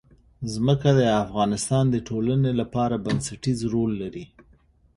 ځمکه د افغانستان د ټولنې لپاره بنسټيز رول لري.